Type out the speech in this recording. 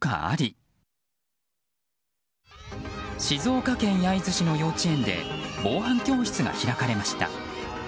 静岡県焼津市の幼稚園で防犯教室が開かれました。